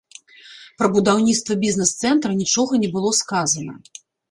Пра будаўніцтва бізнес-цэнтра нічога не было сказана.